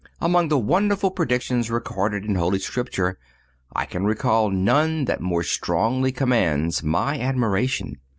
Among the wonderful predictions recorded in Holy Scripture, I can recall none that more strongly commands my admiration.